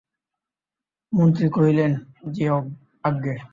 মন্ত্রী কহিলেন, যে আজ্ঞে।